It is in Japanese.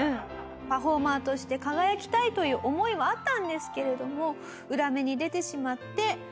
パフォーマーとして輝きたいという思いはあったんですけれども裏目に出てしまって。